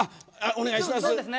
お願いします。